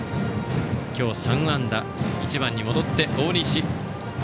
今日３安打、１番に戻って大西。